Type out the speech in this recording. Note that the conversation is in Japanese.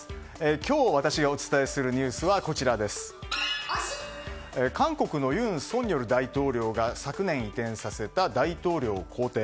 今日、私がお伝えするニュースは韓国の尹錫悦大統領が昨年、移転させた大統領公邸。